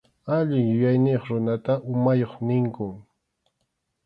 Allin yuyayniyuq runata umayuq ninkum.